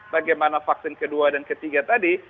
bagaimana vaksin kedua dan ketiga tadi